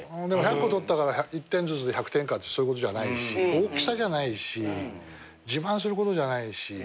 でも１００個とったから１点ずつで１００点かってそういうことじゃないし大きさじゃないし自慢することじゃないし。